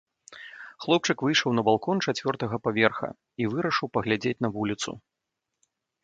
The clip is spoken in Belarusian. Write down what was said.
Хлопчык выйшаў на балкон чацвёртага паверха і вырашыў паглядзець на вуліцу.